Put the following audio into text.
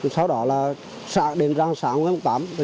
sau đó là đến ra xã nguyễn văn tám